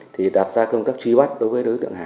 thì đặt ra công tác truy bắt đối với đối tượng hà